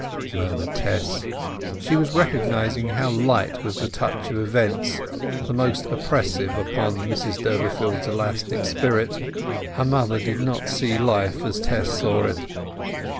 murmured Tess. She was recognizing how light was the touch of events the most oppressive upon Mrs Durbeyfield's elastic spirit. Her mother did not see life as Tess saw it.